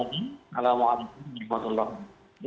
assalamualaikum warahmatullahi wabarakatuh